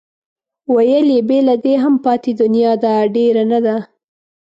ویل یې بې له دې هم پاتې دنیا ده ډېره نه ده.